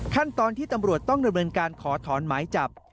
ขั้นตอนที่ตำรวจต้องดำเนินการขอถอนหมายจับ